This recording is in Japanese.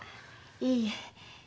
いいえ。